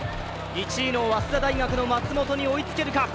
１位の早稲田大学の松本に追いつけるか？